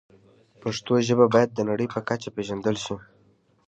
پښتو ژبه باید د نړۍ په کچه پېژندل شي.